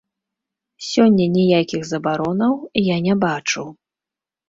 Сёння ніякіх забаронаў я не бачу.